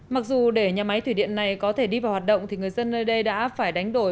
mặc dù để nhà máy thủy điện này có thể đi vào hoạt động thì người dân nơi đây đã phải đánh đổi